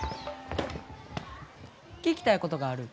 聞きたいことがある。